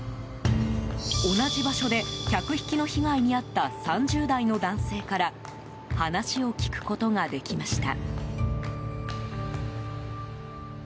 同じ場所で客引きの被害に遭った３０代の男性から話を聞くことができました。